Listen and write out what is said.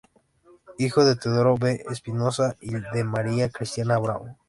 Hijo de Teodoro V. Espinosa y de María Cristina Bravo.